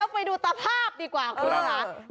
เราไปดูตะภาพดีกว่าคือนะคะ